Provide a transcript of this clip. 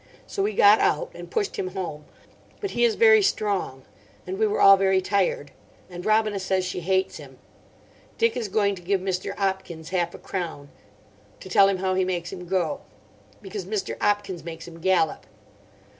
So we got out. And pushed him home. But he is very strong. And we were all very tired. And Robina says she hates him. Dick is going to give Mr. 'Opkins half a crown. To tell him how he makes him go. Because Mr. 'Opkins makes him gallop.